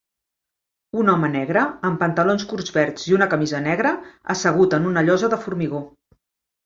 Un home negre, amb pantalons curts verds i una camisa negra, assegut en una llosa de formigó.